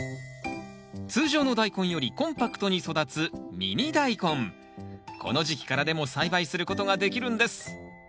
通常のダイコンよりコンパクトに育つこの時期からでも栽培することができるんです